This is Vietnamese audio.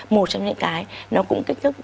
một trong những cái nó cũng kích thích